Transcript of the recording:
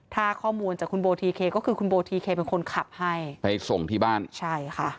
ถ้าข้อมูลจากคุณโบทีเคก็คือคุณโบทีเคเป็นคนขับให้ไปส่งที่บ้านใช่ค่ะ